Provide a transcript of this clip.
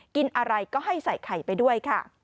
กินอะไรก็ให้ใส่ไข่ไปด้วยค่ะ